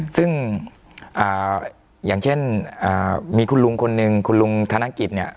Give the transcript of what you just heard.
ซึ่งอย่างเช่นมีคุณลุงคนหนึ่งคุณลุงธนกิจเนี่ย